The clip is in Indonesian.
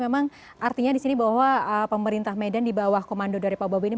memang artinya di sini bahwa pemerintah medan di bawah komando dari pak bobi ini